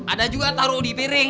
ada juga taruh di piring